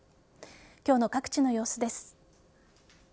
今日の各地の様子です。